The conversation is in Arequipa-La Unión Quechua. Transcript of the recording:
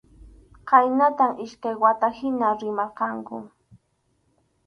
Khaynatam iskay wata hina rimarqanku.